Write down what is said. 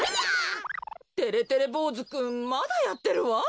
てれてれぼうずくんまだやってるわ。